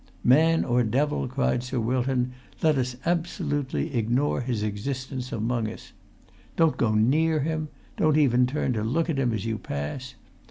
"Man or devil," cried Sir Wilton, "let us absolutely ignore his existence among us. Don't go near him; don't even turn to look at him as you pass.